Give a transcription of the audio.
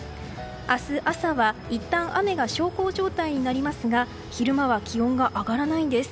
明日朝はいったん雨が小康状態になりますが昼間は気温が上がらないんです。